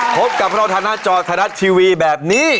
พบกับเราทานาจอคณะทีวีแบบนี้